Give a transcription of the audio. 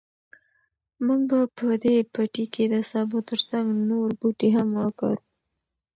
موږ به په دې پټي کې د سابو تر څنګ نور بوټي هم وکرو.